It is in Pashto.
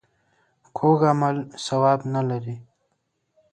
کوږ عمل ثواب نه لري